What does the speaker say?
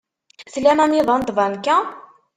Tlam amiḍan n tbanka?